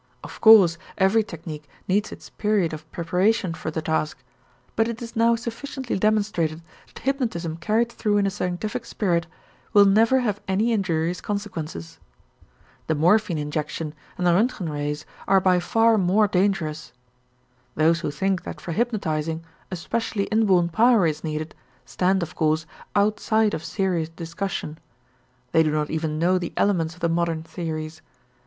Of course every technique needs its period of preparation for the task, but it is now sufficiently demonstrated that hypnotism carried through in a scientific spirit will never have any injurious consequences. The morphine injection and the Roentgen rays are by far more dangerous. Those who think that for hypnotizing especially inborn power is needed stand, of course, outside of a serious discussion. They do not even know the elements of the modern theories.